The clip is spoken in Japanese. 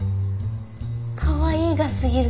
かわいいがすぎる。